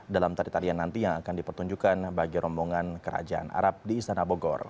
dalam tarian tarian nanti yang akan dipertunjukkan bagi rombongan kerajaan arab di istana bogor